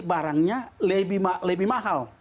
barangnya lebih mahal